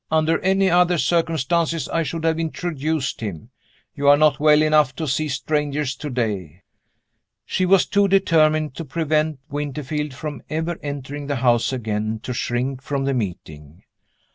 Under any other circumstances, I should have introduced him. You are not well enough to see strangers today." She was too determined to prevent Winterfield from ever entering the house again to shrink from the meeting.